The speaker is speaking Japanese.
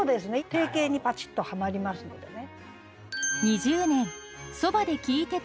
定型にパチッとはまりますのでね。